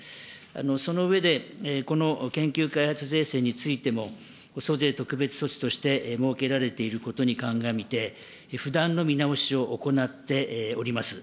その上で、この研究開発税制についても、租税特別措置として設けられていることに鑑みて、不断の見直しを行っております。